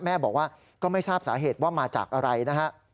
แม่บอกว่าก็ไม่ทราบสาเหตุว่ามาจากอะไรนะฮะ